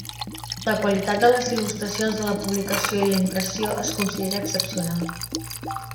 La qualitat de les il·lustracions de la publicació i la impressió es considera excepcional.